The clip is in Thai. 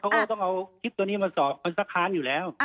เขาว่าต้องเอาคลิปตัวนี้มาสอบเป็นส่างคารอยู่แล้ว